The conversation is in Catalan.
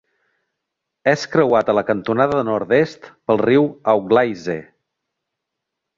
És creuat a la cantonada nord-est pel riu Auglaize.